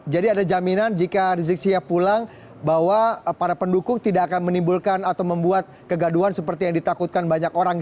jadi ada jaminan jika rizik syiab pulang bahwa para pendukung tidak akan menimbulkan atau membuat kegaduhan seperti yang ditakutkan banyak orang